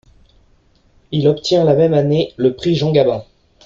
Il obtient la même année le Prix Jean-Gabin.